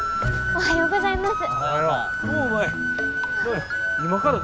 おはようございます。